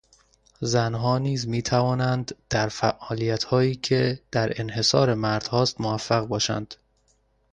زنها نیز میتوانند در فعالیتهایی که در انحصار مردهاست موفق باشند.